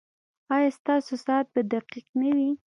ایا ستاسو ساعت به دقیق نه وي؟